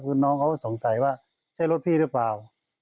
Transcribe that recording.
คือน้องเขาก็สงสัยว่าใช่รถพี่หรือเปล่า